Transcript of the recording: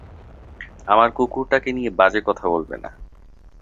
আমার কুকুরটাকে নিয়ে বাজে কথা বলবে না।